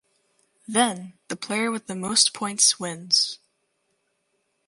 Then the player with the most points wins.